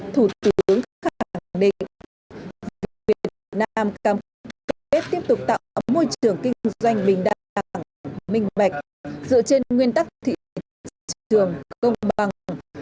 thủ tướng khẳng định việt nam campuchia tiếp tục tạo môi trường kinh doanh bình đẳng minh mạch dựa trên nguyên tắc thị trường công bằng